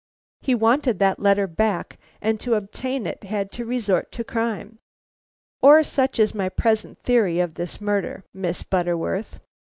He wanted that letter back, and to obtain it had to resort to crime. Or such is my present theory of this murder, Miss Butterworth.